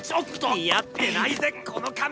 似合ってないぜこの仮面！